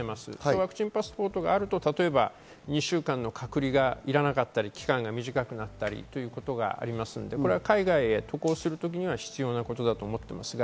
ワクチンパスポートがあると、例えば２週間の隔離がいらなかったり、期間が短かかったり、あるので海外へ渡航する時には必要なことだと思っています。